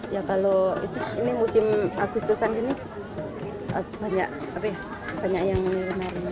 ya kalau ini musim agustusan ini banyak yang menerima penari